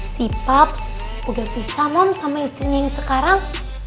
si paps udah pisah moms sama istrinya yang sekarang